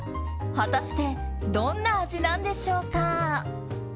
果たしてどんな味なんでしょうか。